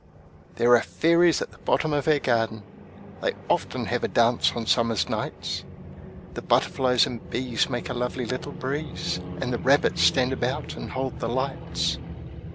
There are fairies at the bottom of our garden! They often have a dance on summer nights; The butterflies and bees make a lovely little breeze, And the rabbits stand about and hold the lights.